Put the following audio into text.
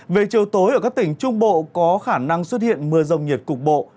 về chiều tối ở các tỉnh trung bộ có khả năng xuất hiện mưa rông nhiệt cục bộ